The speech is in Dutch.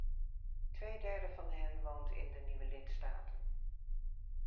Tweederde van hen woont in de nieuwe lidstaten.